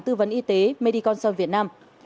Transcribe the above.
tư vấn y tế mediconsol việt nam